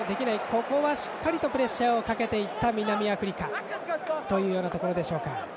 ここはしっかりとプレッシャーをかけていった南アフリカというところでしょうか。